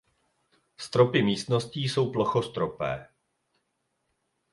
Stropy místností jsou plochostropé.